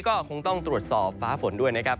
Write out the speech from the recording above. ก็คงต้องตรวจสอบฟ้าฝนด้วยนะครับ